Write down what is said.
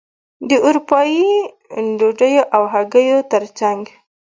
د اروپايي ډوډیو او هګیو ترڅنګ.